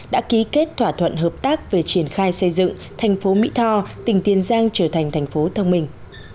đã ký kết thỏa thuận hợp tác về triển khai xây dựng thành phố mỹ tho tỉnh tiền giang trở thành thành phố thông minh